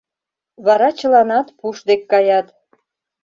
Вара чыланат пуш дек каят.